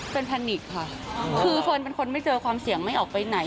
เป็นแพนิกค่ะคือเฟิร์นเป็นคนไม่เจอความเสี่ยงไม่ออกไปไหน